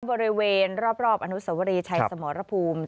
บริเวณรอบอนุสวรีชัยสมรภูมิ